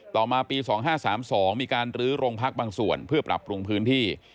ต่อมาปี๒๕๓๒มีการลื้อโรงพักบางส่วนเพื่อปรับปรุงพื้นที่